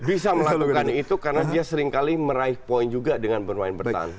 bisa melakukan itu karena dia seringkali meraih poin juga dengan bermain bertahan